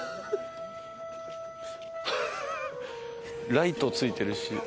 ライトついてるし。